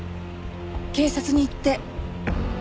警察に行って。